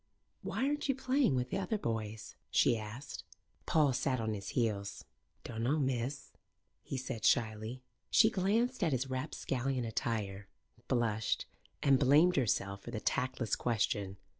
"Why aren't you playing with the other boys?" she asked. Paul sat on his heels. "Dunno, miss," he said shyly. She glanced at his rapscallion attire, blushed, and blamed herself for the tactless question.